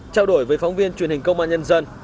trao đổi với phóng viên truyền hình công an nhân dân